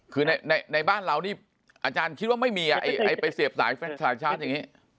คือในบ้านเรานี่อาจารย์คิดว่าไม่มีไปเสียบสายชาร์จอย่างนี้